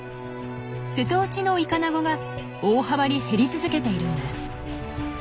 瀬戸内のイカナゴが大幅に減り続けているんです。